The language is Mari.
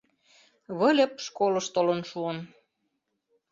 Выльып школыш толын шуын.